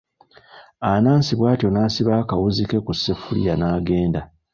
Anansi bw'atyo n'asiba akawuzi ke ku sseffuliya n'agenda.